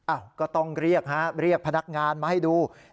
ก็ต้องเรียกฮะเรียกพนักงานมาให้ดู